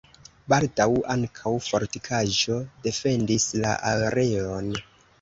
Baldaŭ ankaŭ fortikaĵo defendis la areon.